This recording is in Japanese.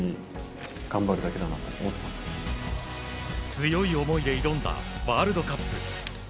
強い思いで挑んだワールドカップ。